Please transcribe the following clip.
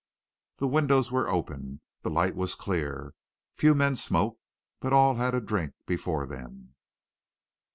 The windows were open. The light was clear. Few men smoked, but all had a drink before them.